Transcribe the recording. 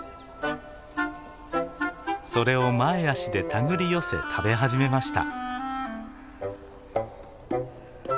それを前足でたぐり寄せ食べ始めました。